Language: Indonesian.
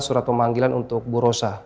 surat pemanggilan untuk bu rosa